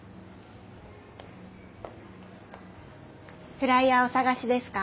フライヤーお探しですか？